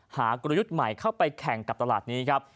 กลยุทธ์ใหม่เข้าไปแข่งกับตลาดนี้ครับ